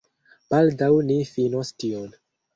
Baldaŭ ni finos tion